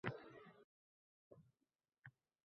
bo‘lmog‘i kerak.